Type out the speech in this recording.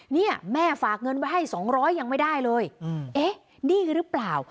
นี่แม่ฝากเงินไปให้สองร้อยยังไม่ได้เลยนี่หรือเปล่า